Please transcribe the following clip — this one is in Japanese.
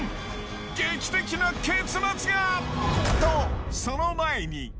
劇的な結末が！と、その前に。